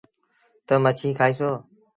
تا مڇي کآئيسو۔